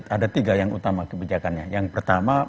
ada tiga yang utama kebijakannya yang pertama